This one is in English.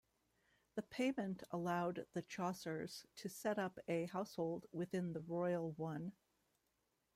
This payment allowed the Chaucers to set up a household within the royal one.